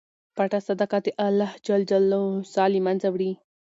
پټه صدقه د اللهﷻ غصه له منځه وړي.